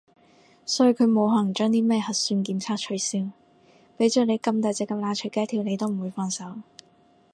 所以佢冇可能將啲咩核算檢測取消，畀着你咁大隻蛤乸隨街跳你都唔會放手